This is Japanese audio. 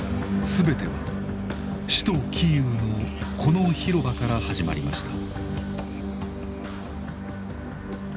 全ては首都キーウのこの広場から始まりました。